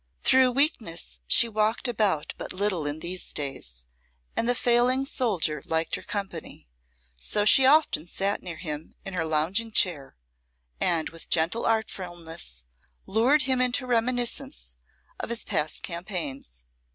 Through weakness she walked about but little in these days, and the failing soldier liked her company, so she often sate near him in her lounging chair and with gentle artfulness lured him into reminiscences of his past campaigns.